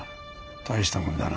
大したもんだな。